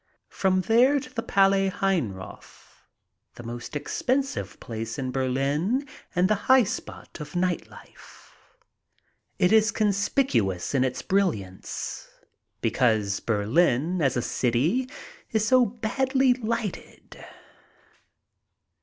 From there to the Palais Heinroth, the most expensive place in Berlin and the high spot of night life. It is con spicuous in its brilliance, because Berlin as a city is so badly lighted.